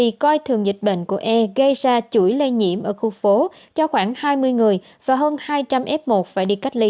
vì coi thường dịch bệnh của e gây ra chuỗi lây nhiễm ở khu phố cho khoảng hai mươi người và hơn hai trăm linh f một phải đi cách ly